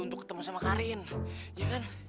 untuk ketemu sama karin ya kan